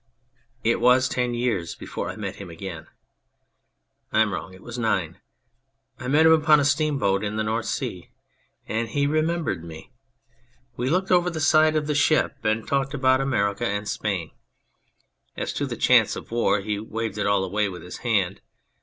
It was ten years before I met him again. I am wrong it was nine. I met him upon a steamboat in the North Sea, and he remembered me. We looked over the side of the ship and talked about 66 On a Prophet America and Spain. As to the chance of war he waved it all away with his hand.